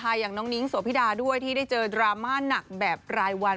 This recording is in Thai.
อย่างน้องนิ้งโสพิดาด้วยที่ได้เจอดราม่าหนักแบบรายวัน